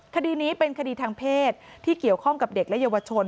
คดีนี้เป็นคดีทางเพศที่เกี่ยวข้องกับเด็กและเยาวชน